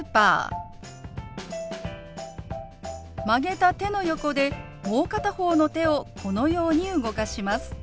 曲げた手の横でもう片方の手をこのように動かします。